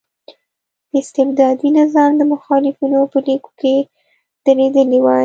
د استبدادي نظام د مخالفینو په لیکو کې درېدلی وای.